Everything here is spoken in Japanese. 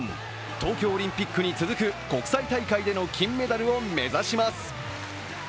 東京オリンピックに続く国際大会での金メダルを目指します。